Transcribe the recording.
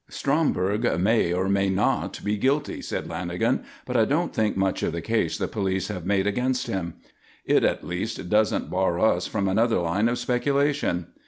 "Stromberg may or may not be guilty," said Lanagan, "but I don't think much of the case the police have made against him. It, at least, doesn't bar us from another line of speculation.